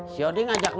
siodi ngajak lo